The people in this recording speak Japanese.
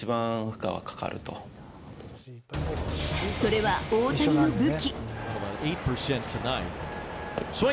それは大谷の武器。